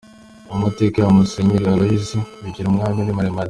Amateka ya Musenyeri Aloys Bigirumwami ni maremare.